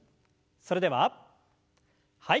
それでははい。